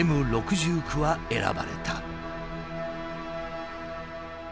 Ｍ６９は選ばれた。